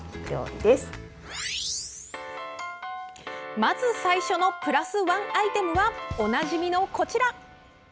まず最初のプラスワンアイテムはおなじみのこちら。